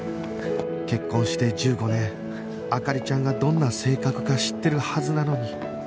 結婚して１５年灯ちゃんがどんな性格か知ってるはずなのに